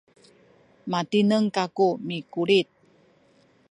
matineng kaku mikulit